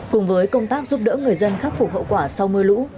cùng với công tác giúp đỡ người dân khắc phục hậu quả sau mưa lũ